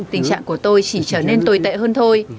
tình trạng của tôi chỉ trở nên tồi tệ hơn thôi